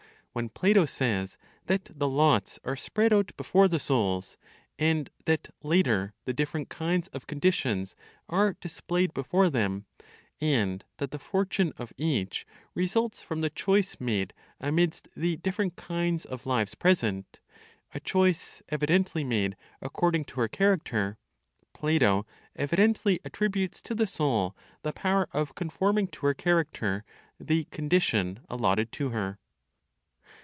When (Plato) says that the lots are spread out before the souls, and that later the different kinds of conditions are displayed before them, and that the fortune of each results from the choice made amidst the different kinds of lives present a choice evidently made according to her character (Plato) evidently attributes to the soul the power of conforming to her character the condition allotted to her.